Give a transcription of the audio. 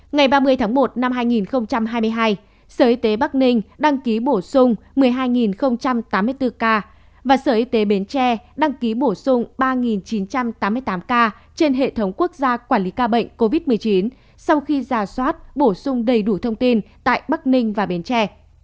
ngày ba mươi tháng một năm hai nghìn hai mươi hai sở y tế bắc ninh đăng ký bổ sung một mươi hai tám mươi bốn ca và sở y tế bến tre đăng ký bổ sung ba chín trăm tám mươi tám ca trên hệ thống quốc gia quản lý ca bệnh covid một mươi chín sau khi giả soát bổ sung đầy đủ thông tin tại bắc ninh và bến tre